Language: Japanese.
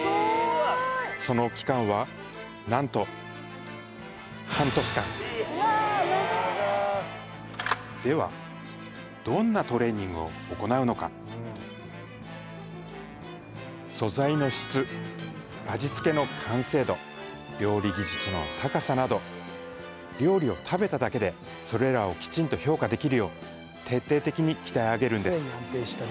その期間は何と半年間ではどんなトレーニングを行うのか素材の質味付けの完成度料理技術の高さなど料理を食べただけでそれらをきちんと評価できるよう徹底的に鍛え上げるんです